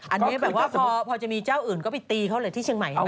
อันนี้แบบว่าพอจะมีเจ้าอื่นก็ไปตีเขาเลยที่เชียงใหม่